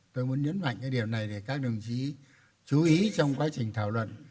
tôi muốn nhấn mạnh cái điểm này để các đồng chí chú ý trong quá trình thảo luận